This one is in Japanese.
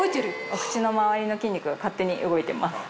お口の周りの筋肉が勝手に動いてます。